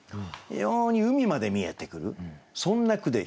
非常に海まで見えてくるそんな句で。